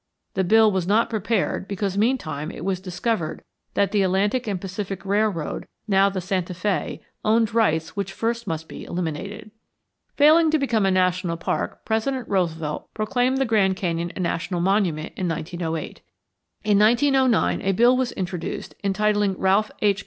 The bill was not prepared because meantime it was discovered that the Atlantic and Pacific Railroad, now the Santa Fé, owned rights which first must be eliminated. Failing to become a national park, President Roosevelt proclaimed the Grand Canyon a national monument in 1908. In 1909 a bill was introduced entitling Ralph H.